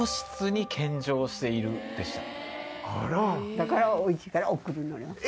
だからおいしいから贈るのよ。